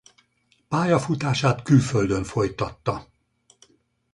Pályafutását külföldön folytatta.